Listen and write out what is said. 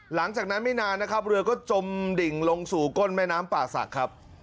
หลังจากนั้นไม่นานนะครับเรือก็จมดิ่งลงสู่ก้นแม่น้ำป่าศักดิ์ครับ